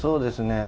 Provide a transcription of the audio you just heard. そうですね。